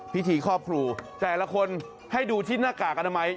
ครอบครูแต่ละคนให้ดูที่หน้ากากอนามัย